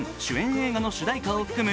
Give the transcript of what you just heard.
映画の主題歌を含む